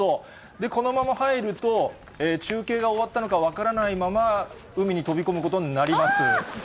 で、このまま入ると、中継が終わったのか分からないまま、海に飛び込むことになります。